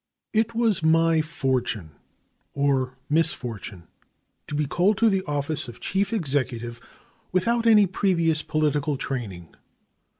It was my fortune, or misfortune, to be called to the office of Chief Executive without any previous political training.